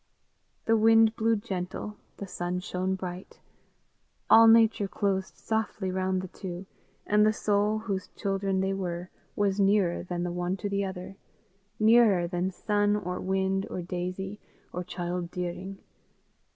The wind blew gentle, the sun shone bright, all nature closed softly round the two, and the soul whose children they were was nearer than the one to the other, nearer than sun or wind or daisy or Chyld Dyring.